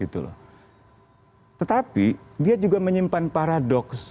tetapi dia juga menyimpan paradoks